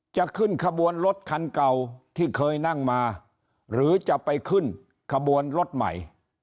จะขึ้นขบวนรถคันเก่าที่เคยนั่งมาหรือจะไปขึ้นขบวนรถใหม่